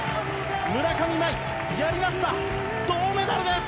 村上茉愛やりました銅メダルです！